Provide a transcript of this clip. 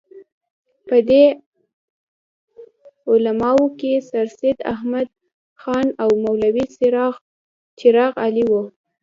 په دې علماوو کې سرسید احمد خان او مولوي چراغ علي وو.